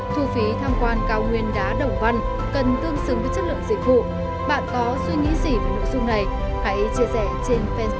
thu phí tham quan cao nguyên đá đồng văn cần tương xứng với chất lượng dịch vụ bạn có suy nghĩ gì về nội dung này hãy chia sẻ trên fanpage truyền hình công an nhật dân